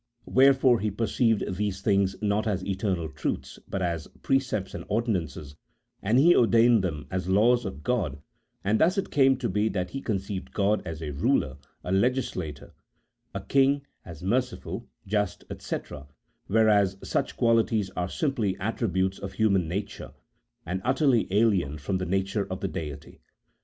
Where fore he perceived these things not as eternal truths, but as precepts and ordinances, and he ordained them as laws of God, and thus it came to be that he conceived God as a ruler, a legislator, a king, as merciful, just, &c, whereas such qualities are simply attributes of human nature, and utterly alien from the nature of the Deity.